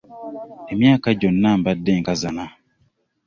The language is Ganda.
Emyaka gyonna mbadde nkazana.